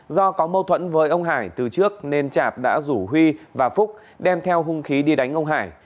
do có mâu thuẫn với ông hải từ trước nên chạp đã rủ huy và phúc đem theo hung khí đi đánh ông hải